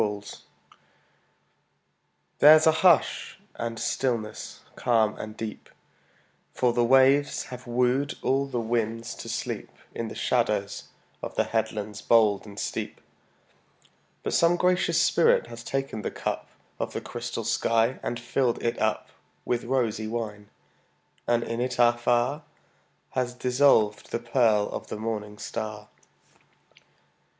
8 Autoplay There's a hush and stillness calm and deep, For the waves have wooed all the winds to sleep In the shadow of headlands bold and steep; But some gracious spirit has taken the cup Of the crystal sky and filled it up With rosy wine, and in it afar Has dissolved the pearl of the morning star.